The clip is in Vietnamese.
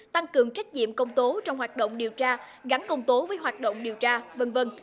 tăng cường trách nhiệm công tố trong hoạt động điều tra gắn công tố với hoạt động điều tra v v